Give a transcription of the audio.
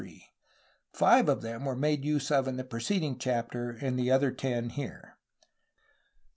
Five of them were made use of in the preceding chapter, and the other ten here.